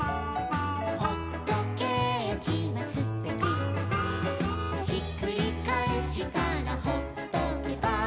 「ほっとけーきはすてき」「ひっくりかえしたらほっとけば」